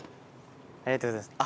ありがとうございます。